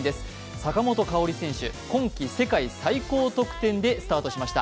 坂本花織選手、今季世界最高得点でスタートしました。